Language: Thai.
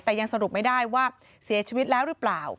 แต่ยังสรุปไม่ได้ว่าเสียชีวิตแล้วหรือเปล่า